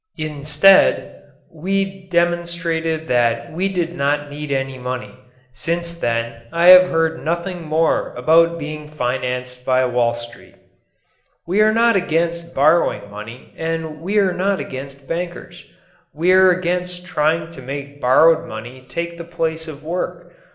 Instead, we demonstrated that we did not need any money. Since then I have heard nothing more about being financed by Wall Street. We are not against borrowing money and we are not against bankers. We are against trying to make borrowed money take the place of work.